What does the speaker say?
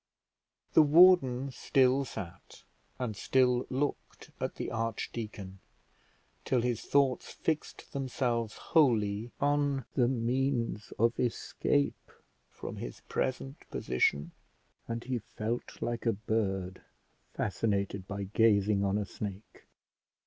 The warden still sat, and still looked at the archdeacon, till his thoughts fixed themselves wholly on the means of escape from his present position, and he felt like a bird fascinated by gazing on a snake.